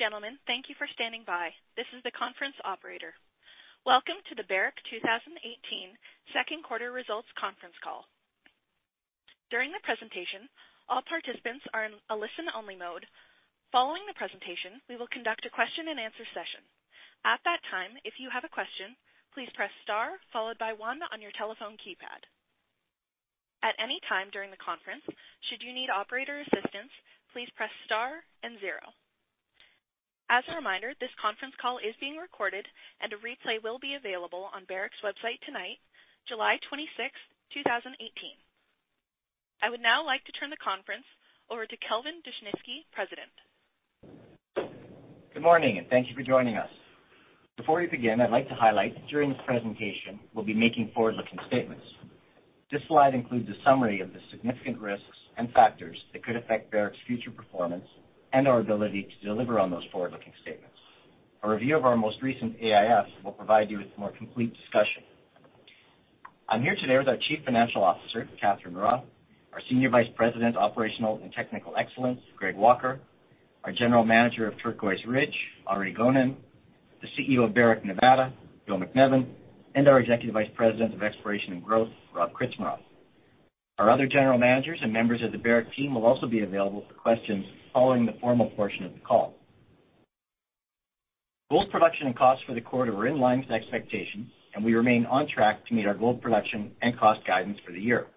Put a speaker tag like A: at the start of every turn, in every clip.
A: Ladies and gentlemen, thank you for standing by. This is the conference operator. Welcome to the Barrick 2018 second quarter results conference call. During the presentation, all participants are in a listen-only mode. Following the presentation, we will conduct a question and answer session. At that time, if you have a question, please press star followed by one on your telephone keypad. At any time during the conference, should you need operator assistance, please press star and zero. As a reminder, this conference call is being recorded and a replay will be available on Barrick's website tonight, July 26, 2018. I would now like to turn the conference over to Kelvin Dushnisky, President.
B: Good morning. Thank you for joining us. Before we begin, I'd like to highlight that during this presentation, we'll be making forward-looking statements. This slide includes a summary of the significant risks and factors that could affect Barrick's future performance and our ability to deliver on those forward-looking statements. A review of our most recent AIF will provide you with a more complete discussion. I'm here today with our Chief Financial Officer, Catherine Raw, our Senior Vice President, Operational and Technical Excellence, Greg Walker, our General Manager of Turquoise Ridge, Henri Gonin, the CEO of Barrick Nevada, Bill MacNevin, and our Executive Vice President of Exploration and Growth, Rob Krcmarov. Our other general managers and members of the Barrick team will also be available for questions following the formal portion of the call. Gold production and costs for the quarter were in line with expectations. We remain on track to meet our gold production and cost guidance for the year.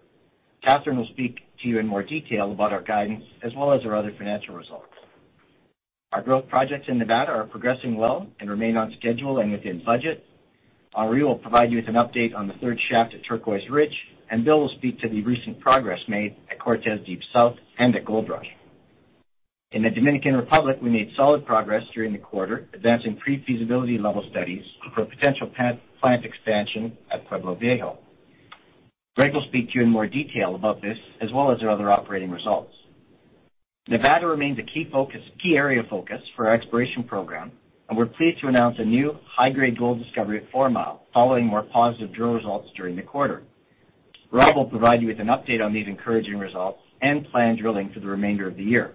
B: Catherine will speak to you in more detail about our guidance as well as our other financial results. Our growth projects in Nevada are progressing well and remain on schedule and within budget. Henri will provide you with an update on the third shaft at Turquoise Ridge. Bill will speak to the recent progress made at Cortez Deep South and at Goldrush. In the Dominican Republic, we made solid progress during the quarter, advancing pre-feasibility level studies for a potential plant expansion at Pueblo Viejo. Greg will speak to you in more detail about this as well as our other operating results. Nevada remains a key area of focus for our exploration program. We're pleased to announce a new high-grade gold discovery at Fourmile, following more positive drill results during the quarter. Rob will provide you with an update on these encouraging results and planned drilling for the remainder of the year.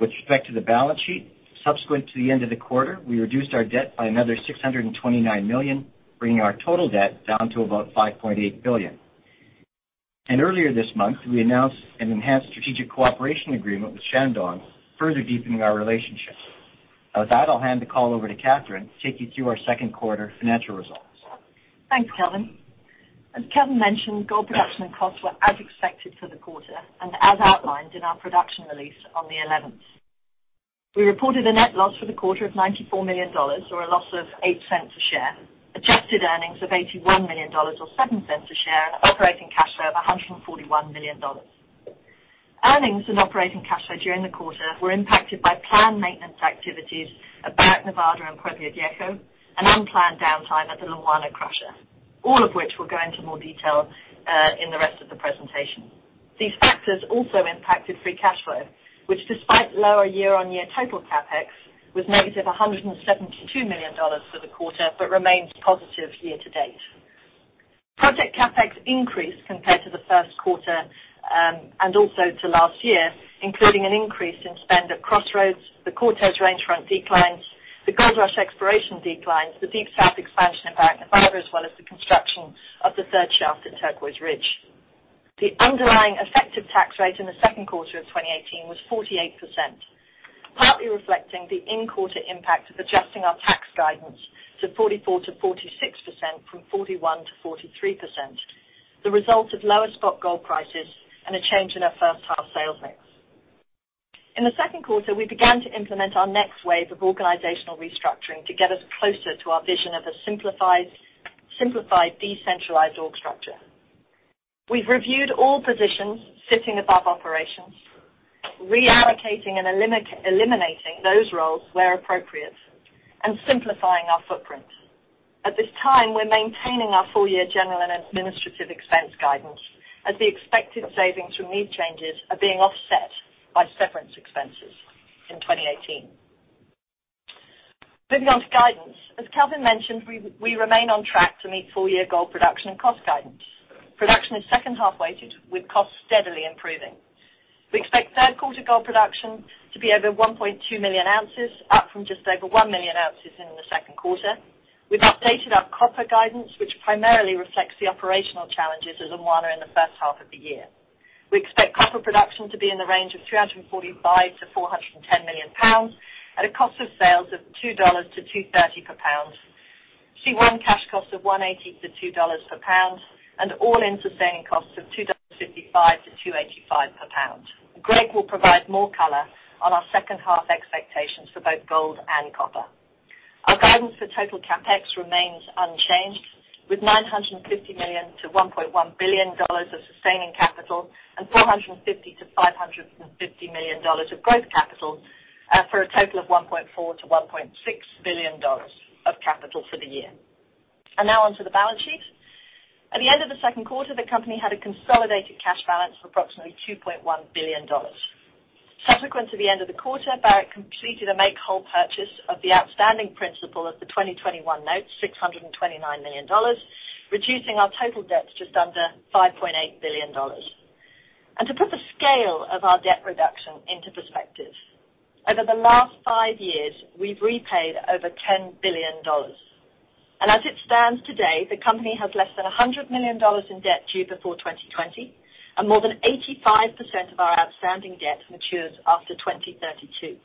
B: With respect to the balance sheet, subsequent to the end of the quarter, we reduced our debt by another $629 million, bringing our total debt down to about $5.8 billion. Earlier this month, we announced an enhanced strategic cooperation agreement with Shandong, further deepening our relationship. With that, I'll hand the call over to Catherine to take you through our second quarter financial results.
C: Thanks, Kelvin. As Kelvin mentioned, gold production and costs were as expected for the quarter and as outlined in our production release on the 11th. We reported a net loss for the quarter of $94 million, or a loss of $0.08 a share, adjusted earnings of $81 million or $0.07 a share. Operating cash flow of $141 million. Operating cash flow during the quarter were impacted by planned maintenance activities at Barrick Nevada and Pueblo Viejo, unplanned downtime at the Lumwana crusher, all of which we'll go into more detail in the rest of the presentation. These factors also impacted free cash flow, which despite lower year-on-year total CapEx, was negative $172 million for the quarter but remains positive year-to-date. Project CapEx increased compared to the first quarter, and also to last year, including an increase in spend at Crossroads, the Cortez Range Front declines, the Goldrush exploration declines, the Deep South expansion at Barrick Nevada, as well as the construction of the third shaft at Turquoise Ridge. The underlying effective tax rate in the second quarter of 2018 was 48%, partly reflecting the in-quarter impact of adjusting our tax guidance to 44%-46% from 41%-43%, the result of lower spot gold prices and a change in our first half sales mix. In the second quarter, we began to implement our next wave of organizational restructuring to get us closer to our vision of a simplified, decentralized org structure. We've reviewed all positions sitting above operations, reallocating and eliminating those roles where appropriate and simplifying our footprint. At this time, we're maintaining our full-year general and administrative expense guidance as the expected savings from these changes are being offset by severance expenses in 2018. Moving on to guidance. As Kelvin mentioned, we remain on track to meet full-year gold production and cost guidance. Production is second half-weighted, with costs steadily improving. We expect third quarter gold production to be over 1.2 million ounces, up from just over 1 million ounces in the second quarter. We've updated our copper guidance, which primarily reflects the operational challenges at Lumwana in the first half of the year. We expect copper production to be in the range of 345 million-410 million pounds at a cost of sales of $2-$2.30 per pound, C1 cash costs of $1.80-$2 per pound, and all-in sustaining costs of $2.55-$2.85 per pound. Greg will provide more color on our second half expectations for both gold and copper. Our guidance for total CapEx remains unchanged, with $950 million-$1.1 billion of sustaining capital and $450 million-$550 million of growth capital, for a total of $1.4 billion-$1.6 billion of capital for the year. Now on to the balance sheet. At the end of the second quarter, the company had a consolidated cash balance of approximately $2.1 billion. Subsequent to the end of the quarter, Barrick completed a make-whole purchase of the outstanding principal of the 2021 notes, $629 million, reducing our total debt to just under $5.8 billion. To put the scale of our debt reduction into perspective, over the last five years, we've repaid over $10 billion. As it stands today, the company has less than $100 million in debt due before 2020, and more than 85% of our outstanding debt matures after 2032.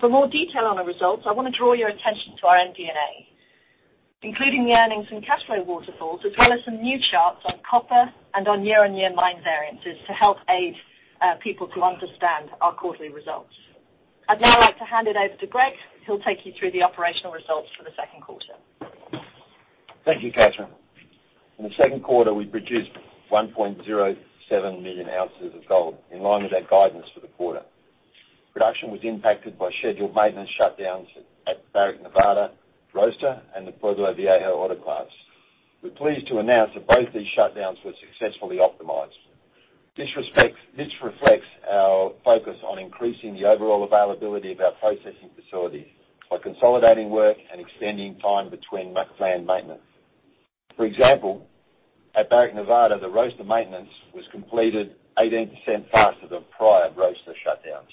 C: For more detail on our results, I want to draw your attention to our MD&A, including the earnings and cash flow waterfalls, as well as some new charts on copper and on year-on-year mine variances to help aid people to understand our quarterly results. I'd now like to hand it over to Greg, who'll take you through the operational results for the second quarter.
D: Thank you, Catherine. In the second quarter, we produced 1.07 million ounces of gold in line with our guidance for the quarter. Production was impacted by scheduled maintenance shutdowns at Barrick Nevada, roaster, and the Pueblo Viejo autoclaves. We're pleased to announce that both these shutdowns were successfully optimized. This reflects our focus on increasing the overall availability of our processing facilities by consolidating work and extending time between planned maintenance. For example, at Barrick Nevada, the roaster maintenance was completed 18% faster than prior roaster shutdowns.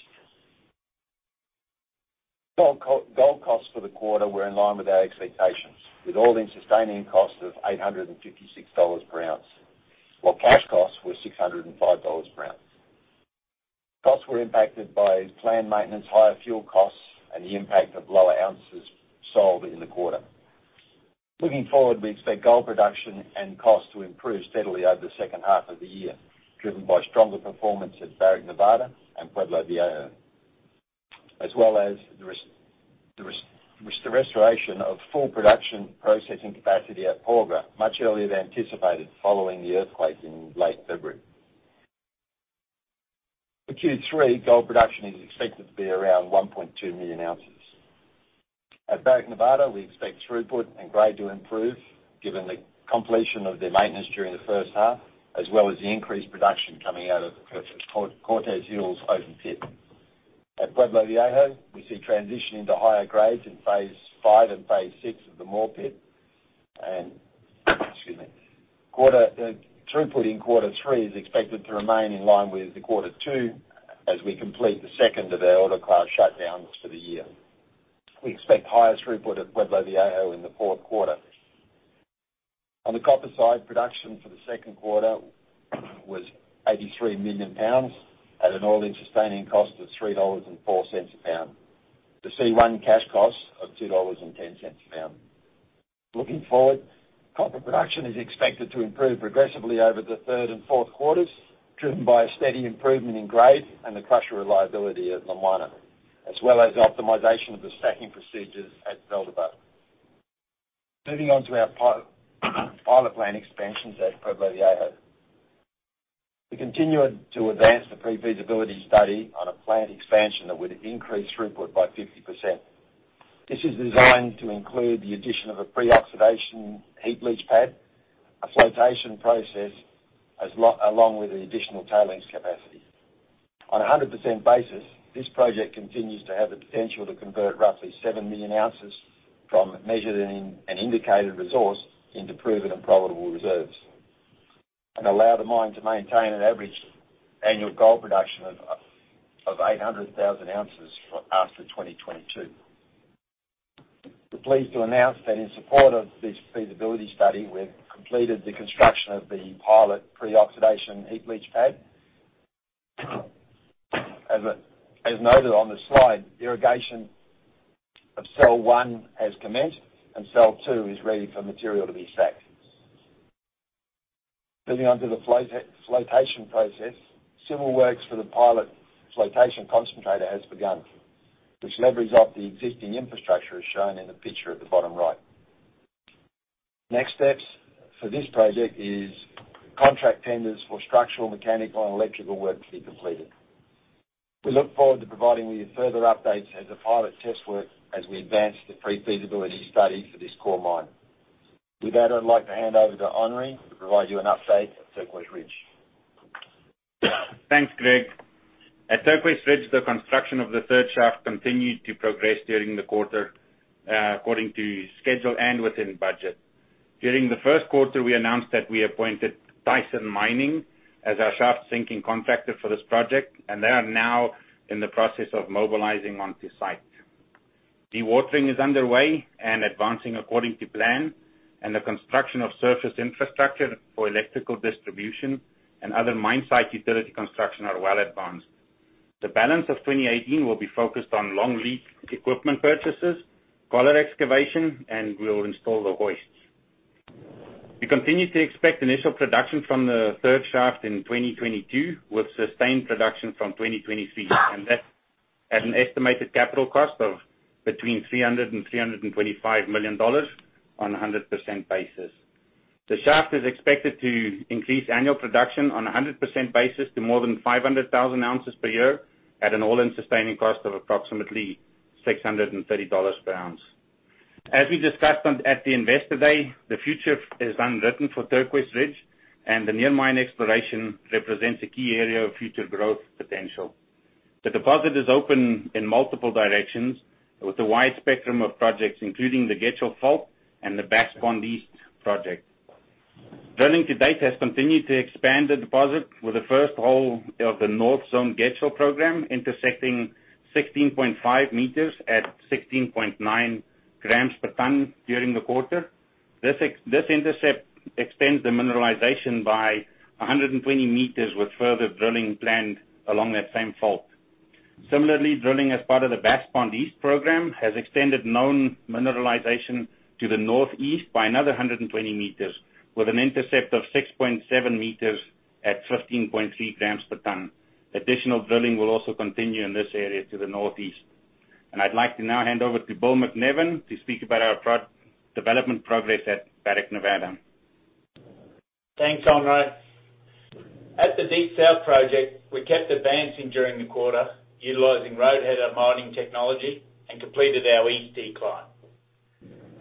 D: Gold costs for the quarter were in line with our expectations, with all-in sustaining costs of $856 per ounce, while cash costs were $605 per ounce. Costs were impacted by planned maintenance, higher fuel costs, and the impact of lower ounces sold in the quarter. Looking forward, we expect gold production and costs to improve steadily over the second half of the year, driven by stronger performance at Barrick Nevada and Pueblo Viejo, as well as the restoration of full production processing capacity at Porgera, much earlier than anticipated following the earthquake in late February. For Q3, gold production is expected to be around 1.2 million ounces. At Barrick Nevada, we expect throughput and grade to improve given the completion of their maintenance during the first half, as well as the increased production coming out of Cortez Hills open pit. At Pueblo Viejo, we see transition into higher grades in phase 5 and phase 6 of the Moore Pit. And, excuse me, throughput in quarter three is expected to remain in line with the quarter two as we complete the second of our autoclave shutdowns for the year. We expect higher throughput at Pueblo Viejo in the fourth quarter. On the copper side, production for the second quarter was 83 million pounds at an all-in sustaining cost of $3.04 a pound. The C1 cash cost of $2.10 a pound. Looking forward, copper production is expected to improve progressively over the third and fourth quarters, driven by a steady improvement in grade and the crusher reliability at Lumwana, as well as optimization of the stacking procedures at Veladero. Moving on to our pilot plan expansions at Pueblo Viejo. We continue to advance the pre-feasibility study on a plant expansion that would increase throughput by 50%. This is designed to include the addition of a pre-oxidation heap leach pad, a flotation process, along with an additional tailings capacity. On a 100% basis, this project continues to have the potential to convert roughly 7 million ounces from measured and indicated resource into proven and probable reserves and allow the mine to maintain an average annual gold production of 800,000 ounces after 2022. We're pleased to announce that in support of this feasibility study, we've completed the construction of the pilot pre-oxidation heap leach pad. As noted on the slide, irrigation of cell 1 has commenced, and cell 2 is ready for material to be stacked. Moving on to the flotation process. Civil works for the pilot flotation concentrator has begun, which leverage off the existing infrastructure as shown in the picture at the bottom right. Next steps for this project is contract tenders for structural, mechanical, and electrical work to be completed. We look forward to providing you further updates as the pilot test work as we advance the pre-feasibility study for this core mine. With that, I'd like to hand over to Henri to provide you an update at Turquoise Ridge.
E: Thanks, Greg. At Turquoise Ridge, the construction of the third shaft continued to progress during the quarter, according to schedule and within budget. During the first quarter, we announced that we appointed Thyssen Mining as our shaft-sinking contractor for this project, and they are now in the process of mobilizing onto site. Dewatering is underway and advancing according to plan, and the construction of surface infrastructure for electrical distribution and other mine site utility construction are well advanced. The balance of 2018 will be focused on long lead equipment purchases, collar excavation, and we'll install the hoists. We continue to expect initial production from the third shaft in 2022 with sustained production from 2023, and that at an estimated capital cost of between $300 million and $325 million on a 100% basis. The shaft is expected to increase annual production on a 100% basis to more than 500,000 ounces per year at an all-in sustaining cost of approximately $630 per ounce. As we discussed at the Investor Day, the future is unwritten for Turquoise Ridge, and the near mine exploration represents a key area of future growth potential. The deposit is open in multiple directions with a wide spectrum of projects, including the Getchell fault and the Bass Pond East project. Drilling to date has continued to expand the deposit with the first hole of the North Zone Getchell program intersecting 16.5 meters at 16.9 grams per ton during the quarter. This intercept extends the mineralization by 120 meters with further drilling planned along that same fault. Similarly, drilling as part of the Bass Pond East program has extended known mineralization to the northeast by another 120 meters, with an intercept of 6.7 meters at 15.3 grams per ton. Additional drilling will also continue in this area to the northeast. I'd like to now hand over to Bill MacNevin to speak about our development progress at Barrick Nevada.
F: Thanks, Henri. At the Deep South project, we kept advancing during the quarter, utilizing roadheader mining technology, and completed our east decline.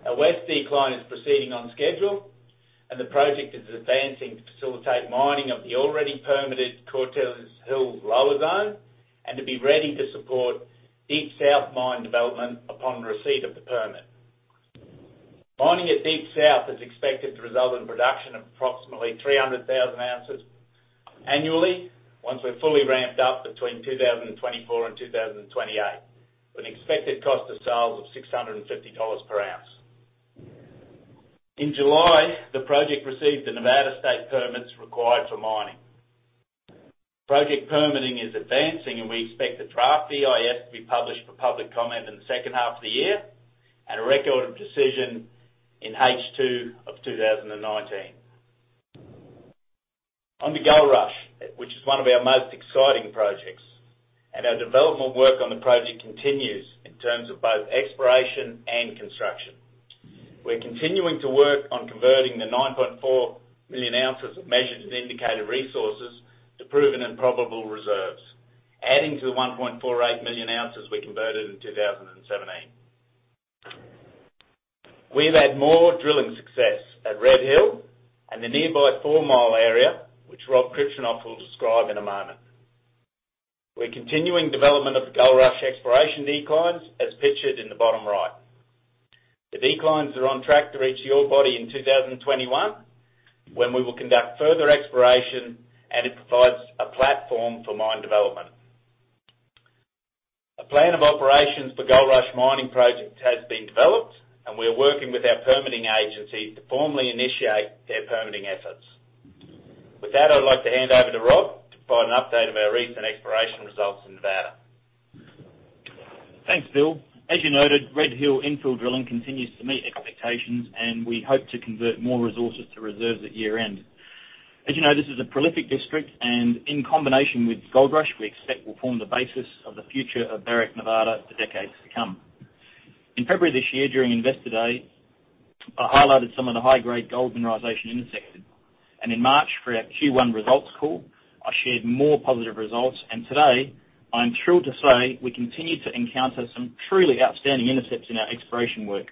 F: Our west decline is proceeding on schedule, and the project is advancing to facilitate mining of the already permitted Cortez Hills lower zone, and to be ready to support Deep South mine development upon receipt of the permit. Mining at Deep South is expected to result in production of approximately 300,000 ounces annually, once we're fully ramped up between 2024 and 2028, with an expected cost of sales of $650 per ounce. In July, the project received the Nevada state permits required for mining. Project permitting is advancing, and we expect the draft EIS to be published for public comment in the second half of the year, and a record of decision in H2 of 2019. On to Goldrush, which is one of our most exciting projects, and our development work on the project continues in terms of both exploration and construction. We're continuing to work on converting the 9.4 million ounces of measured and indicated resources to proven and probable reserves, adding to the 1.48 million ounces we converted in 2017. We've had more drilling success at Red Hill and the nearby Fourmile area, which Rob Krcmarov will describe in a moment. We're continuing development of Goldrush exploration declines, as pictured in the bottom right. The declines are on track to reach the ore body in 2021, when we will conduct further exploration, and it provides a platform for mine development. A plan of operations for Goldrush mining project has been developed, and we're working with our permitting agency to formally initiate their permitting efforts. With that, I'd like to hand over to Rob to provide an update of our recent exploration results in Nevada.
G: Thanks, Bill. As you noted, Red Hill infill drilling continues to meet expectations, and we hope to convert more resources to reserves at year-end. As you know, this is a prolific district, and in combination with Goldrush, we expect will form the basis of the future of Barrick Nevada for decades to come. In February this year, during Investor Day, I highlighted some of the high-grade gold mineralization intersected. In March for our Q1 results call, I shared more positive results, and today, I'm thrilled to say we continue to encounter some truly outstanding intercepts in our exploration work.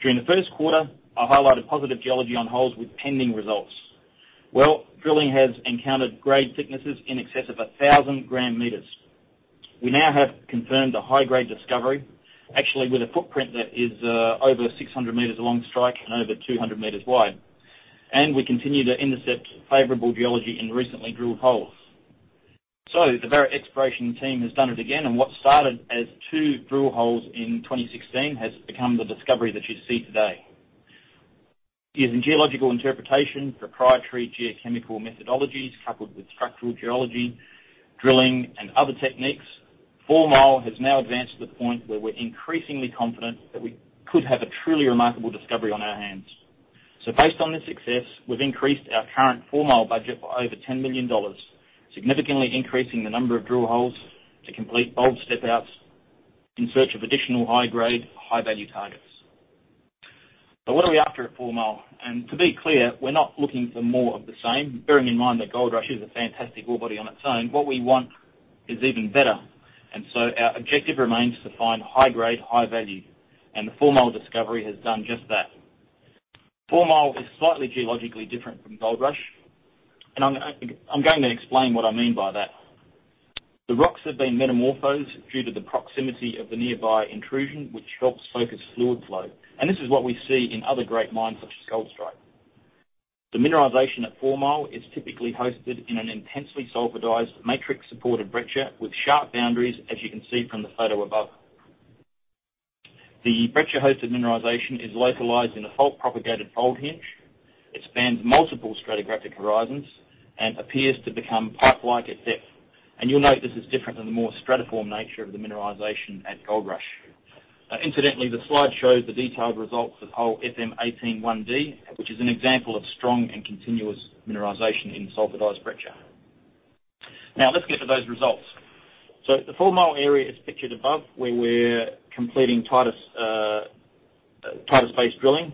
G: During the first quarter, I highlighted positive geology on holes with pending results. Well, drilling has encountered grade thicknesses in excess of 1,000 gram-meters. We now have confirmed a high-grade discovery, actually with a footprint that is over 600 meters along strike and over 200 meters wide. We continue to intercept favorable geology in recently drilled holes. The Barrick exploration team has done it again, and what started as two drill holes in 2016 has become the discovery that you see today. Using geological interpretation, proprietary geochemical methodologies, coupled with structural geology, drilling, and other techniques, Fourmile has now advanced to the point where we're increasingly confident that we could have a truly remarkable discovery on our hands. Based on this success, we've increased our current Fourmile budget by over $10 million, significantly increasing the number of drill holes to complete bold step-outs in search of additional high-grade, high-value targets. What are we after at Fourmile? To be clear, we're not looking for more of the same. Bearing in mind that Goldrush is a fantastic ore body on its own, what we want is even better. Our objective remains to find high grade, high value. The Fourmile discovery has done just that. Fourmile is slightly geologically different from Goldrush, and I'm going to explain what I mean by that. The rocks have been metamorphosed due to the proximity of the nearby intrusion, which helps focus fluid flow. This is what we see in other great mines such as Goldstrike. The mineralization at Fourmile is typically hosted in an intensely sulfurized, matrix-supported breccia with sharp boundaries, as you can see from the photo above. The breccia-hosted mineralization is localized in a fault-propagated fold hinge. It spans multiple stratigraphic horizons and appears to become pipe-like at depth. You'll note this is different than the more stratiform nature of the mineralization at Goldrush. Incidentally, the slide shows the detailed results of hole FM181D, which is an example of strong and continuous mineralization in sulfurized breccia. Now let's get to those results. The Fourmile area is pictured above where we're completing tighter space drilling.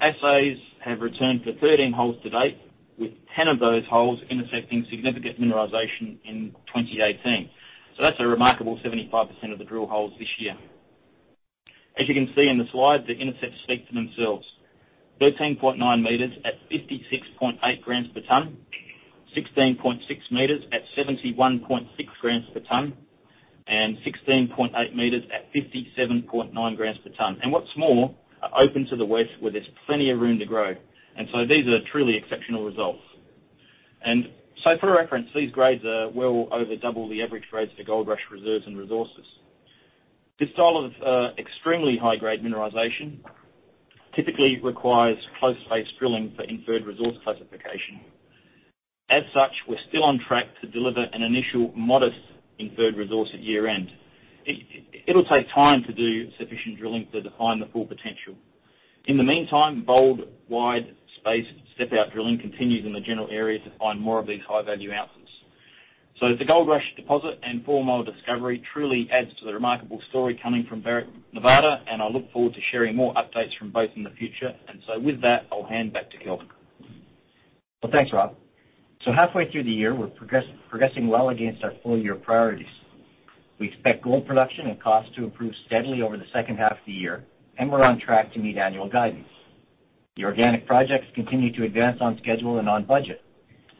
G: Assays have returned for 13 holes to date, with 10 of those holes intersecting significant mineralization in 2018. That's a remarkable 75% of the drill holes this year. As you can see in the slide, the intercepts speak for themselves. 13.9 meters at 56.8 grams per ton, 16.6 meters at 71.6 grams per ton, and 16.8 meters at 57.9 grams per ton. What's more, are open to the west where there's plenty of room to grow. These are truly exceptional results. For reference, these grades are well over double the average grades for Goldrush reserves and resources. This style of extremely high-grade mineralization typically requires close-based drilling for inferred resource classification. As such, we're still on track to deliver an initial modest inferred resource at year-end. It'll take time to do sufficient drilling to define the full potential. In the meantime, bold, wide-spaced step-out drilling continues in the general area to find more of these high-value ounces. The Goldrush deposit and Fourmile discovery truly adds to the remarkable story coming from Barrick Nevada, and I look forward to sharing more updates from both in the future. With that, I'll hand back to Kelvin.
B: Well, thanks, Rob. Halfway through the year, we're progressing well against our full-year priorities. We expect gold production and costs to improve steadily over the second half of the year, and we're on track to meet annual guidance. The organic projects continue to advance on schedule and on budget.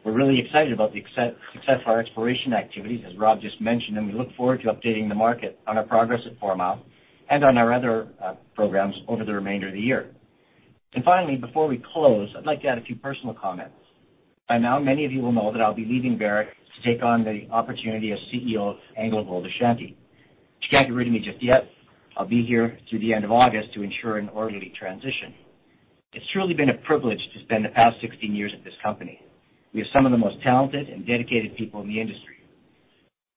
B: We're really excited about the success of our exploration activities, as Rob just mentioned, and we look forward to updating the market on our progress at Fourmile and on our other programs over the remainder of the year. Finally, before we close, I'd like to add a few personal comments. By now, many of you will know that I'll be leaving Barrick to take on the opportunity as CEO of AngloGold Ashanti. You can't get rid of me just yet. I'll be here through the end of August to ensure an orderly transition. It's truly been a privilege to spend the past 16 years at this company. We have some of the most talented and dedicated people in the industry.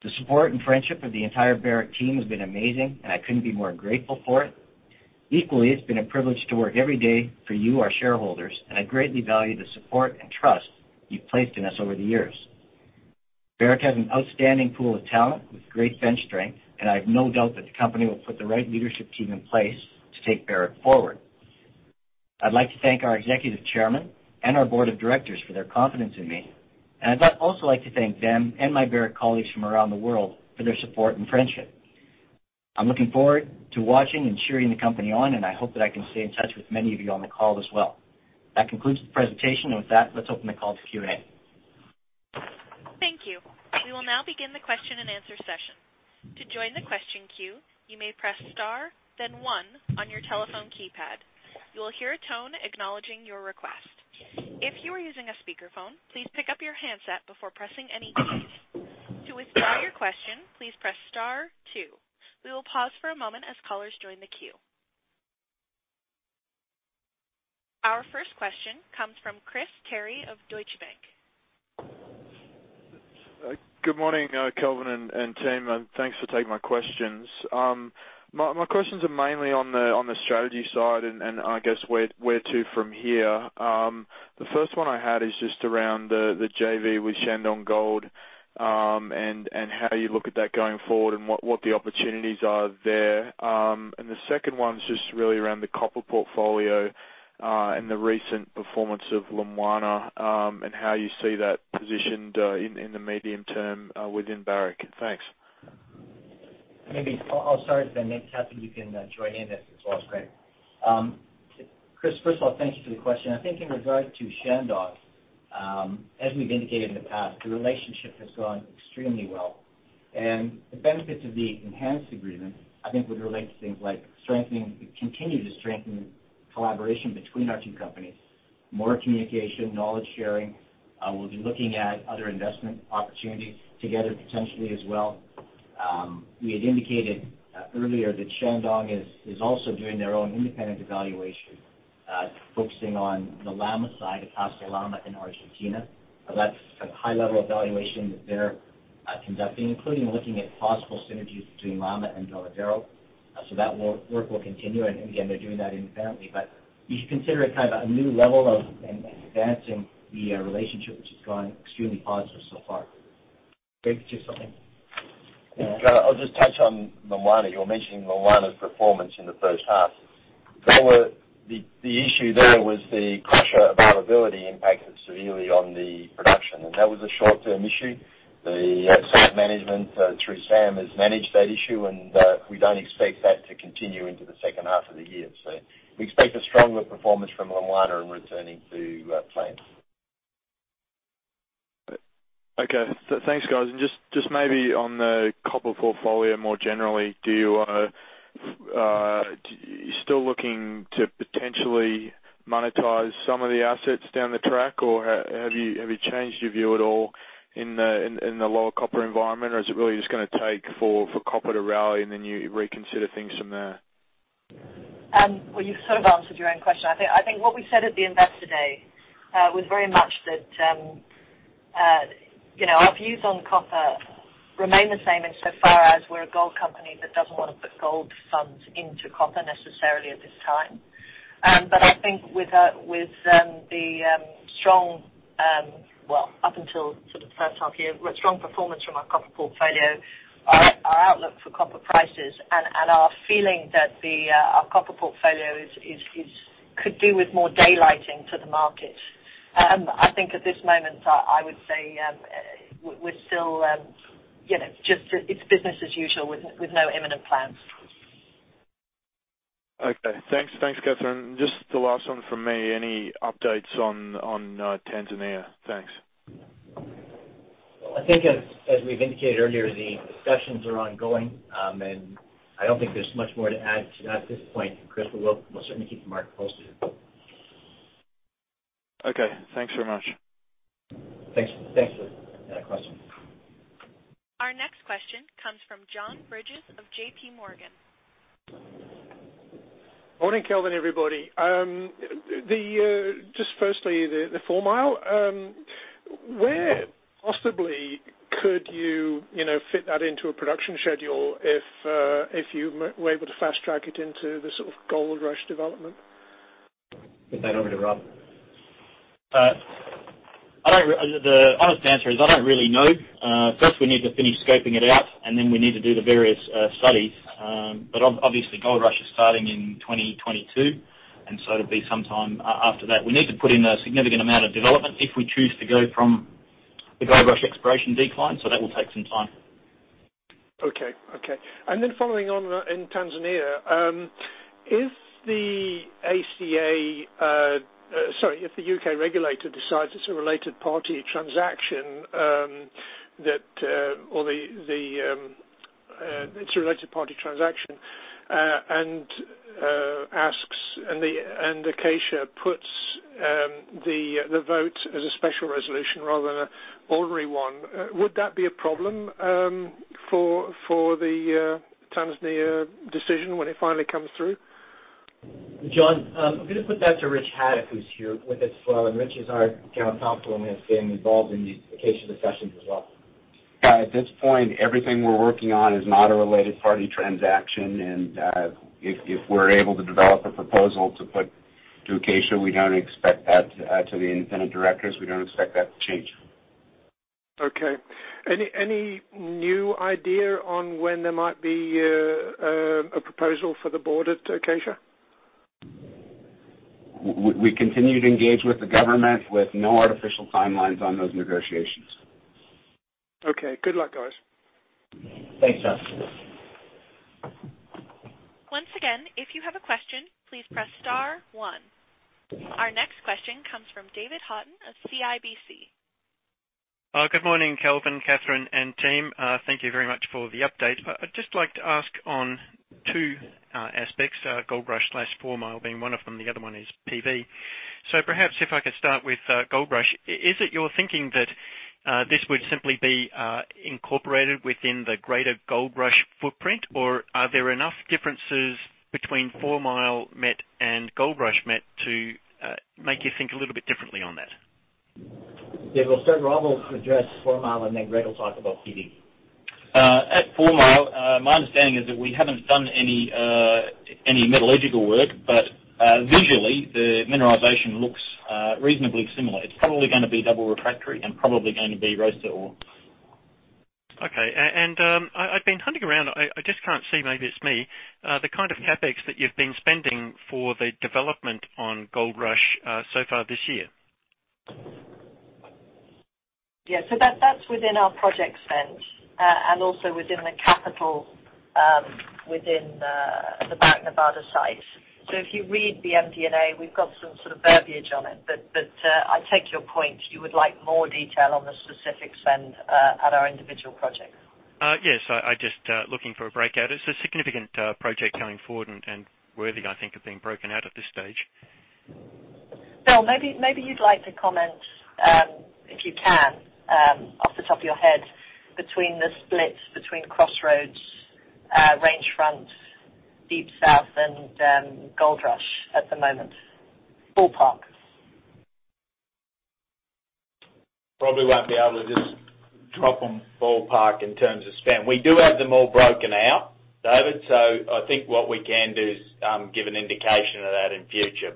B: The support and friendship of the entire Barrick team has been amazing, and I couldn't be more grateful for it. Equally, it's been a privilege to work every day for you, our shareholders, and I greatly value the support and trust you've placed in us over the years. Barrick has an outstanding pool of talent with great bench strength, and I have no doubt that the company will put the right leadership team in place to take Barrick forward. I'd like to thank our Executive Chairman and our Board of Directors for their confidence in me, and I'd also like to thank them and my Barrick colleagues from around the world for their support and friendship. I'm looking forward to watching and cheering the company on, I hope that I can stay in touch with many of you on the call as well. That concludes the presentation, with that, let's open the call to Q&A.
A: Thank you. We will now begin the question and answer session. To join the question queue, you may press star 1 on your telephone keypad. You will hear a tone acknowledging your request. If you are using a speakerphone, please pick up your handset before pressing any keys. To withdraw your question, please press star 2. We will pause for a moment as callers join the queue. Our first question comes from Chris Terry of Deutsche Bank.
H: Good morning, Kelvin and team, thanks for taking my questions. My questions are mainly on the strategy side, I guess where to from here. The first one I had is just around the JV with Shandong Gold, how you look at that going forward and what the opportunities are there. The second one's just really around the copper portfolio, the recent performance of Lumwana and how you see that positioned in the medium term within Barrick. Thanks.
B: Maybe I'll start, maybe Kathy, you can join in as well. Great. Chris, first of all, thank you for the question. I think in regard to Shandong, as we've indicated in the past, the relationship has gone extremely well, the benefits of the enhanced agreement, I think, would relate to things like continue to strengthen collaboration between our two companies, more communication, knowledge sharing. We'll be looking at other investment opportunities together potentially as well. We had indicated earlier that Shandong is also doing their own independent evaluation, focusing on the Lama side, Pascua-Lama in Argentina. That's a high-level evaluation that they're conducting, including looking at possible synergies between Lama and Veladero. That work will continue, again, they're doing that independently, but you should consider it kind of a new level of advancing the relationship, which has gone extremely positive so far. Greg, did you have something to add?
D: I'll just touch on Lumwana. You're mentioning Lumwana's performance in the first half. The issue there was the crusher availability impacted severely on the production. That was a short-term issue. The site management through Sam has managed that issue. We don't expect that to continue into the second half of the year. We expect a stronger performance from Lumwana in returning to plan.
H: Okay. Thanks, guys. Just maybe on the copper portfolio more generally, are you still looking to potentially monetize some of the assets down the track, have you changed your view at all in the lower copper environment, or is it really just going to take for copper to rally and then you reconsider things from there?
C: Well, you've sort of answered your own question. I think what we said at the investor day was very much that our views on copper remain the same in so far as we're a gold company that doesn't want to put gold funds into copper necessarily at this time. I think with the strong, well, up until sort of the first half year, strong performance from our copper portfolio, our outlook for copper prices and our feeling that our copper portfolio could do with more daylighting to the market. I think at this moment, I would say we're still just business as usual with no imminent plans.
H: Okay. Thanks, Catherine. Just the last one from me. Any updates on Tanzania? Thanks.
B: Well, I think as we've indicated earlier, the discussions are ongoing. I don't think there's much more to add to that at this point, Chris. We'll certainly keep the market posted.
H: Okay. Thanks very much.
B: Thanks for that question.
A: Our next question comes from John Bridges of JPMorgan.
I: Morning, Kelvin, everybody. Just firstly, the Fourmile, where possibly could you fit that into a production schedule if you were able to fast-track it into the sort of Goldrush development?
B: Get that over to Rob.
G: The honest answer is I don't really know. First, we need to finish scoping it out, and then we need to do the various studies. Obviously Goldrush is starting in 2022, and so it'll be some time after that. We need to put in a significant amount of development if we choose to go from the Goldrush exploration decline, so that will take some time.
I: Okay. Following on in Tanzania, if the U.K. regulator decides it's a related party transaction, Acacia puts the vote as a special resolution rather than an ordinary one, would that be a problem for the Tanzania decision when it finally comes through?
B: John, I'm going to put that to Rich Haddock, who's here with us as well. Rich is our General Counsel, has been involved in the Acacia discussions as well.
J: At this point, everything we're working on is not a related party transaction. If we're able to develop a proposal to put to Acacia, we don't expect that to the independent directors. We don't expect that to change.
I: Okay. Any new idea on when there might be a proposal for the board at Acacia?
J: We continue to engage with the government with no artificial timelines on those negotiations.
I: Okay. Good luck, guys.
B: Thanks, John.
A: Once again, if you have a question, please press star one. Our next question comes from David Haughton of CIBC.
K: Good morning, Kelvin, Catherine, and team. Thank you very much for the update. I'd just like to ask on two aspects, Goldrush/Fourmile being one of them. The other one is PV. Perhaps if I could start with Goldrush. Is it your thinking that this would simply be incorporated within the greater Goldrush footprint, or are there enough differences between Fourmile met and Goldrush met to make you think a little bit differently on that?
B: David, I'll start. Rob will address Fourmile, Greg will talk about PV.
G: At Fourmile, my understanding is that we haven't done any metallurgical work, visually, the mineralization looks reasonably similar. It's probably going to be double refractory and probably going to be roaster ore.
K: Okay. I've been hunting around, I just can't see, maybe it's me, the kind of CapEx that you've been spending for the development on Goldrush so far this year.
C: That is within our project spend, and also within the capital, within the Nevada sites. If you read the MD&A, we have got some sort of verbiage on it. I take your point. You would like more detail on the specific spend at our individual projects.
K: Yes, I am just looking for a breakout. It is a significant project going forward and worthy, I think of being broken out at this stage.
C: Bill, maybe you would like to comment, if you can, off the top of your head, between the split between Crossroads, Range Front, Deep South, and Goldrush at the moment. Ballpark.
F: Probably will not be able to just drop them ballpark in terms of spend. We do have them all broken out, David. I think what we can do is give an indication of that in future.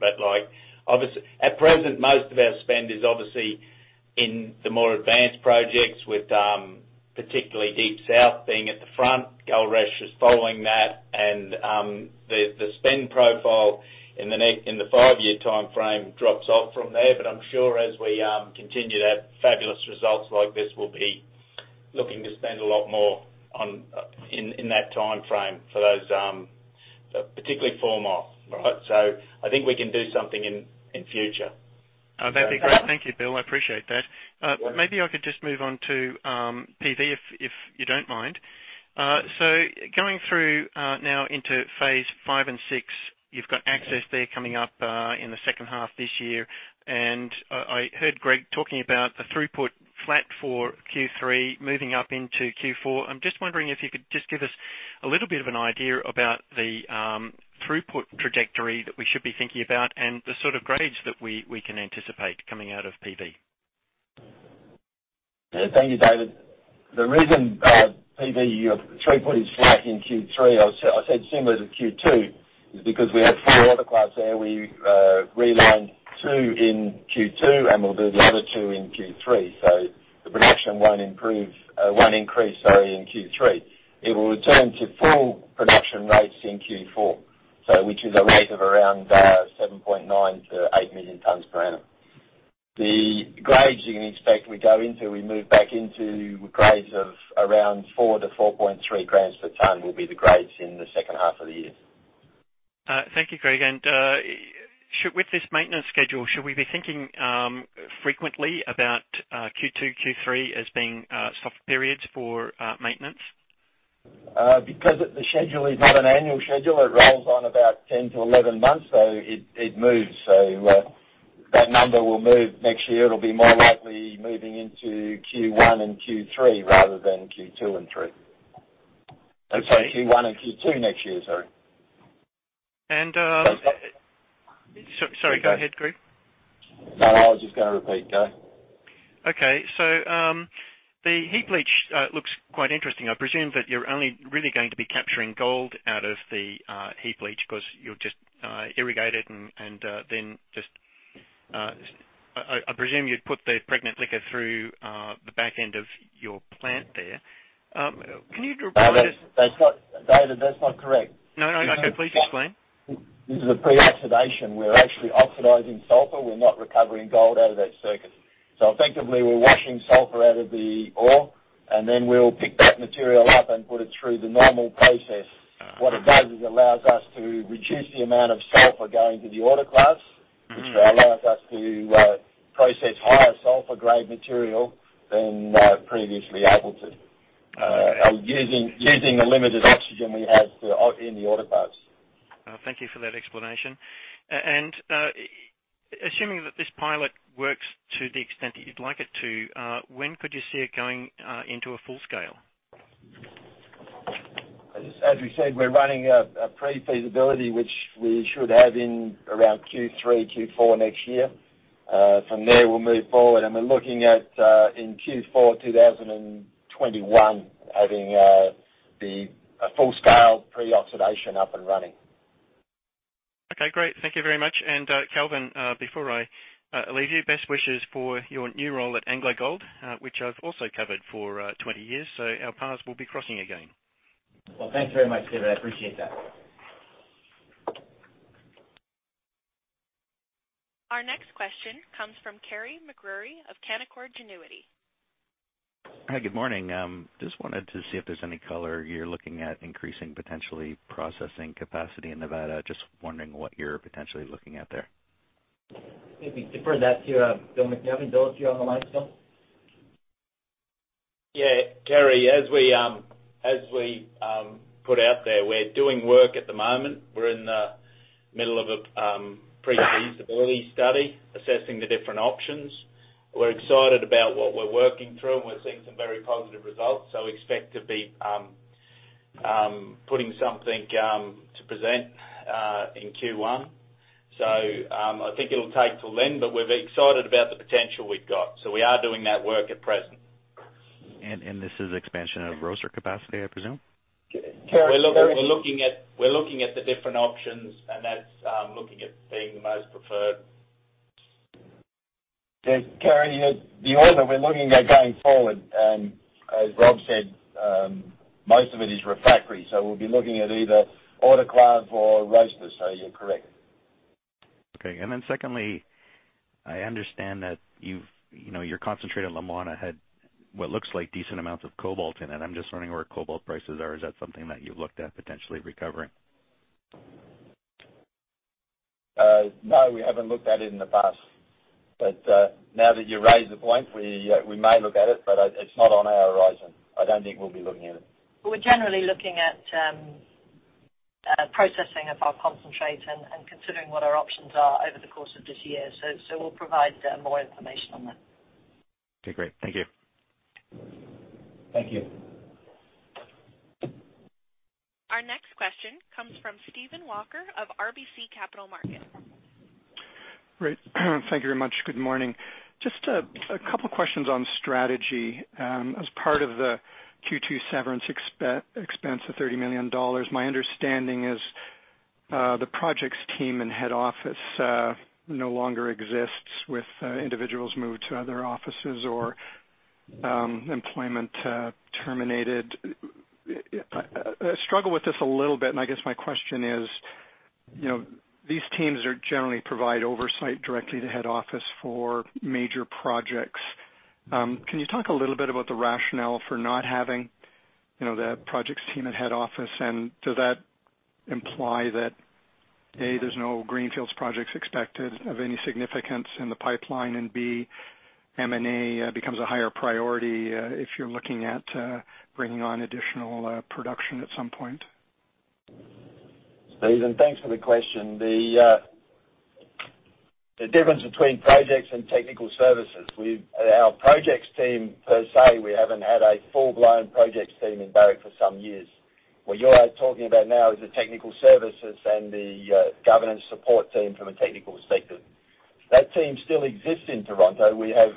F: At present, most of our spend is obviously in the more advanced projects with, particularly Deep South being at the front. Goldrush is following that. The spend profile in the five-year timeframe drops off from there. I am sure as we continue to have fabulous results like this, we will be looking to spend a lot more in that timeframe for those, particularly Fourmile, right? I think we can do something in future.
K: That'd be great. Thank you, Bill. I appreciate that.
F: No worries.
K: Maybe I could just move on to PV, if you don't mind. Going through now into phase 5 and 6, you've got access there coming up in the second half this year. I heard Greg talking about the throughput flat for Q3 moving up into Q4. I'm just wondering if you could just give us a little bit of an idea about the throughput trajectory that we should be thinking about and the sort of grades that we can anticipate coming out of PV.
D: Thank you, David. The reason PV throughput is flat in Q3, I said similar to Q2, is because we have four ore clocks there. We realigned two in Q2, and we'll do the other two in Q3. The production won't increase in Q3. It will return to full production rates in Q4. Which is a rate of around 7.9 to 8 million tons per annum. The grades you can expect we move back into grades of around 4 to 4.3 grams per tonne will be the grades in the second half of the year.
K: Thank you, Greg. With this maintenance schedule, should we be thinking frequently about Q2, Q3 as being soft periods for maintenance?
D: Because the schedule is not an annual schedule, it rolls on about 10 to 11 months, it moves. That number will move. Next year, it'll be more likely moving into Q1 and Q3 rather than Q2 and 3.
K: Okay. Sorry, Q1 and Q2 next year, sorry. And, uh- Sorry. Sorry, go ahead, Greg.
D: No, I was just going to repeat. Go.
K: Okay. The heap leach looks quite interesting. I presume that you're only really going to be capturing gold out of the heap leach because you're just irrigated and then just I presume you'd put the pregnant liquor through the back end of your plant there. Can you-
D: No, that's not David, that's not correct.
K: No, no. Okay. Please explain.
D: This is a pre-oxidation. We're actually oxidizing sulfur. We're not recovering gold out of that circuit. Effectively, we're washing sulfur out of the ore, and then we'll pick that material up and put it through the normal process. What it does is allows us to reduce the amount of sulfur going to the autoclave. which allows us to process higher sulfur grade material than previously able to, using the limited oxygen we have in the autoclaves.
K: Thank you for that explanation. Assuming that this pilot works to the extent that you'd like it to, when could you see it going into a full scale?
D: As we said, we're running a pre-feasibility, which we should have in around Q3, Q4 next year. From there, we'll move forward, and we're looking at, in Q4 2021, having the full scale pre-oxidation up and running.
K: Okay, great. Thank you very much. Kelvin, before I leave you, best wishes for your new role at AngloGold, which I've also covered for 20 years, so our paths will be crossing again.
B: Well, thanks very much, David. I appreciate that.
A: Our next question comes from Kerry McGrory of Canaccord Genuity.
L: Hi, good morning. Just wanted to see if there's any color. You're looking at increasing potentially processing capacity in Nevada. Just wondering what you're potentially looking at there.
D: Maybe defer that to Bill MacNevin. Bill, are you on the line still?
F: Yeah. Kerry, as we put out there, we're doing work at the moment. We're in the middle of a pre-feasibility study assessing the different options. We're excited about what we're working through, and we're seeing some very positive results. Expect to be putting something to present in Q1. I think it'll take till then, but we're very excited about the potential we've got. We are doing that work at present.
L: This is expansion of roaster capacity, I presume?
F: We're looking at the different options, and that's looking at being the most preferred.
D: Yeah, Kerry, the ore that we're looking at going forward, as Rob said, most of it is refractory. We'll be looking at either autoclave or roaster. You're correct.
L: Okay. Then secondly, I understand that your concentrate at Lumwana had what looks like decent amounts of cobalt in it. I'm just wondering where cobalt prices are. Is that something that you've looked at potentially recovering?
D: No, we haven't looked at it in the past. Now that you raise the point, we may look at it, but it's not on our horizon. I don't think we'll be looking at it.
F: We're generally looking at processing of our concentrate and considering what our options are over the course of this year. We'll provide more information on that.
L: Okay, great. Thank you.
D: Thank you.
A: Our next question comes from Stephen Walker of RBC Capital Markets.
M: Great. Thank you very much. Good morning. Just a couple questions on strategy. As part of the Q2 severance expense of $30 million, my understanding is the projects team and head office no longer exists with individuals moved to other offices or employment terminated. I struggle with this a little bit, and I guess my question is, these teams generally provide oversight directly to head office for major projects. Can you talk a little bit about the rationale for not having the projects team at head office? Does that imply that, A, there's no greenfields projects expected of any significance in the pipeline, and B, M&A becomes a higher priority if you're looking at bringing on additional production at some point?
D: Stephen, thanks for the question. The difference between projects and technical services. Our projects team per se, we haven't had a full-blown projects team in Barrick for some years. What you're talking about now is the technical services and the governance support team from a technical perspective. That team still exists in Toronto. We have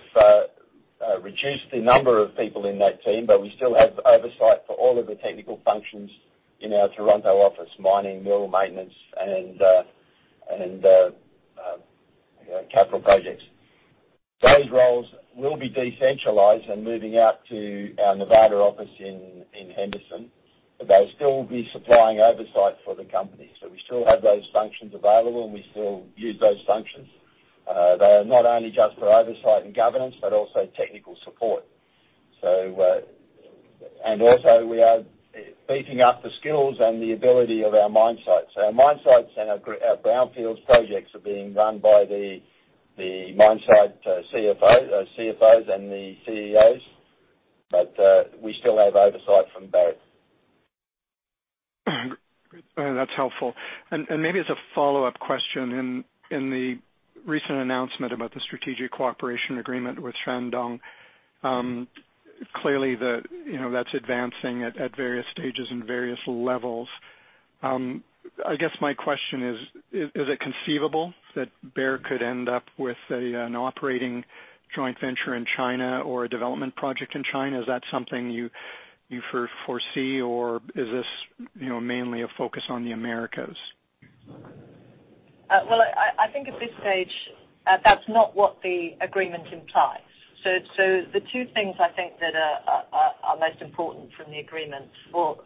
D: reduced the number of people in that team, but we still have oversight for all of the technical functions in our Toronto office, mining, mill maintenance and capital projects. Those roles will be decentralized and moving out to our Nevada office in Henderson. They'll still be supplying oversight for the company. We still have those functions available, and we still use those functions. They are not only just for oversight and governance, but also technical support. Also, we are beefing up the skills and the ability of our mine sites. Our mine sites and our greenfield projects are being run by the mine site CFOs and the CEOs. We still have oversight from Barrick.
M: That's helpful. Maybe as a follow-up question, in the recent announcement about the strategic cooperation agreement with Shandong Gold, clearly that's advancing at various stages and various levels. I guess my question is it conceivable that Barrick could end up with an operating joint venture in China or a development project in China? Is that something you foresee, or is this mainly a focus on the Americas?
C: Well, I think at this stage, that's not what the agreement implies. The two things I think that are most important from the agreement, or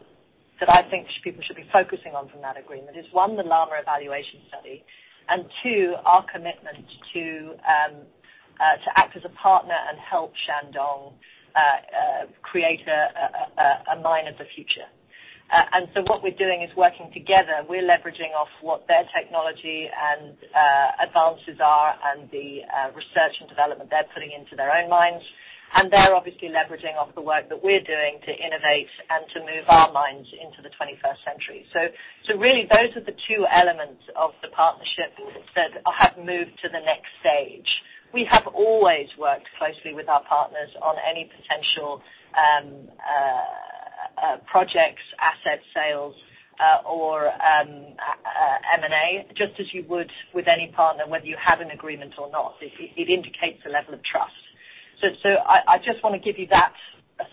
C: that I think people should be focusing on from that agreement is, one, the Lama evaluation study, and two, our commitment to act as a partner and help Shandong Gold create a mine of the future. What we're doing is working together. We're leveraging off what their technology and advances are and the research and development they're putting into their own mines. They're obviously leveraging off the work that we're doing to innovate and to move our mines into the 21st century. Really, those are the two elements of the partnership that have moved to the next stage. We have always worked closely with our partners on any potential projects, asset sales, or M&A, just as you would with any partner, whether you have an agreement or not. It indicates a level of trust. I just want to give you that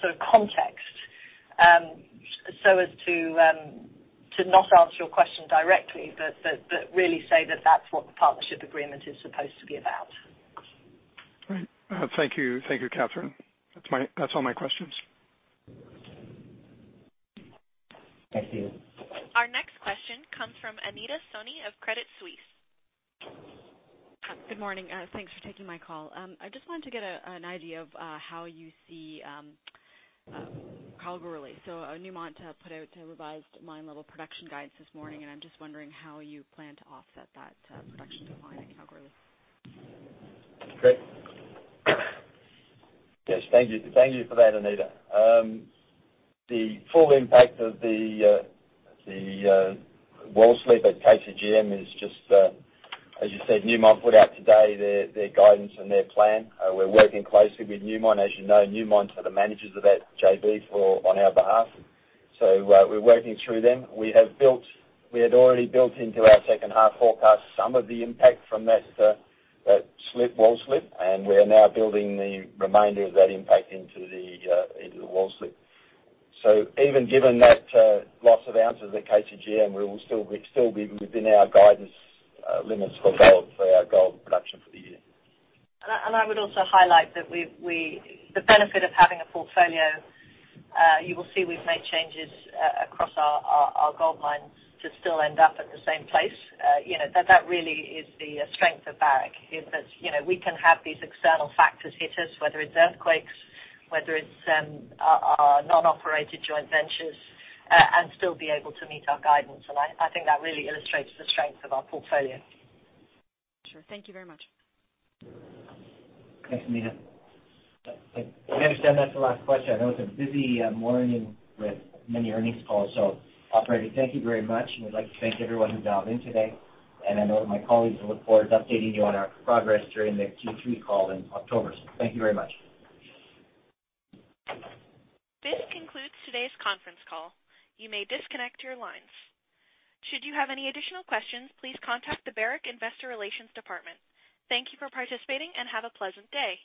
C: sort of context so as to not answer your question directly, but really say that that's what the partnership agreement is supposed to be about.
M: Right. Thank you, Catherine. That's all my questions.
D: Thank you.
A: Our next question comes from Anita Soni of Credit Suisse.
N: Good morning. Thanks for taking my call. I just wanted to get an idea of how you see Kalgoorlie. Newmont put out a revised mine level production guidance this morning, and I'm just wondering how you plan to offset that production decline in Kalgoorlie.
D: Great. Yes, thank you for that, Anita. The full impact of the wall slip at KCGM is just, as you said, Newmont put out today their guidance and their plan. We're working closely with Newmont. As you know, Newmont are the managers of that JV on our behalf. We're working through them. We had already built into our second half forecast some of the impact from that wall slip, and we're now building the remainder of that impact into the wall slip. Even given that loss of ounces at KCGM, we will still be within our guidance limits for our gold production for the year.
C: I would also highlight the benefit of having a portfolio. You will see we've made changes across our gold mines to still end up at the same place. That really is the strength of Barrick, that we can have these external factors hit us, whether it's earthquakes, whether it's our non-operated joint ventures, and still be able to meet our guidance. I think that really illustrates the strength of our portfolio.
N: Sure. Thank you very much.
B: Thanks, Anita. I understand that's the last question. I know it's a busy morning with many earnings calls. Operator, thank you very much, and we'd like to thank everyone who dialed in today. I know that my colleagues look forward to updating you on our progress during the Q3 call in October. Thank you very much.
A: This concludes today's conference call. You may disconnect your lines. Should you have any additional questions, please contact the Barrick Investor Relations department. Thank you for participating, and have a pleasant day.